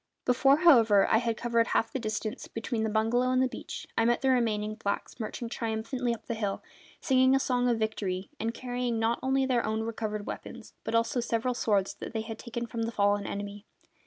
Before, however, I had covered half the distance between the bungalow and the beach I met the remaining blacks marching triumphantly up the hill, singing a song of victory, and carrying not only their own recovered weapons but also several swords that they had taken from the fallen enemy.